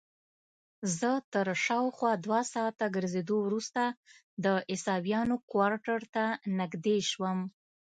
زه تر شاوخوا دوه ساعته ګرځېدو وروسته د عیسویانو کوارټر ته نږدې شوم.